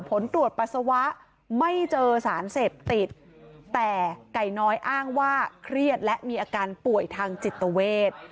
ผลตรวจปัสสาวะไม่เจอสารเสพติดแต่ไก่น้อยอ้างว่าเครียดและมีอาการป่วยทางจิตเวท